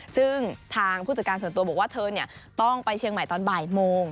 ซึ่งทางผู้จัดการส่วนตัวบอกว่าเธอต้องไปเชียงใหม่ตอนบ่ายโมง